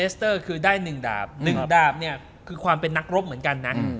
สเตอร์คือได้๑ดาบ๑ดาบเนี่ยคือความเป็นนักรบเหมือนกันนะ